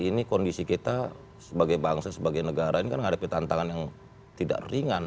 ini kondisi kita sebagai bangsa sebagai negara ini kan menghadapi tantangan yang tidak ringan